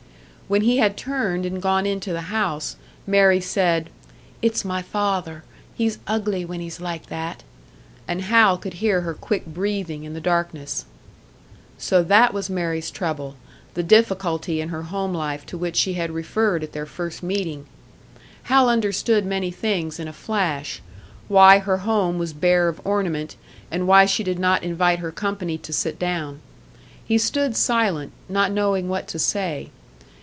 When he had turned and gone into the house, Mary said, "It's my father. He's ugly when he's like that." And Hal could hear her quick breathing in the darkness. So that was Mary's trouble the difficulty in her home life to which she had referred at their first meeting! Hal understood many things in a flash why her home was bare of ornament, and why she did not invite her company to sit down. He stood silent, not knowing what to say.